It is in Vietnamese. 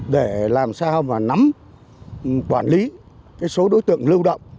để làm sao mà nắm quản lý số đối tượng lưu động